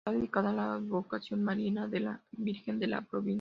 Está dedicada a la advocación mariana de la Virgen de la Providencia.